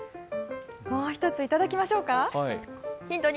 もう一ついただきましょうか、ヒント